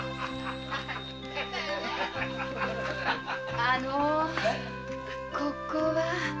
あのここは？